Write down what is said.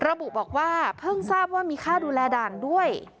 ระบุบอกว่าเพิ่งทราบว่ามีค่าดูแลด่านด้วย